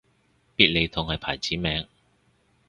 必理痛係牌子名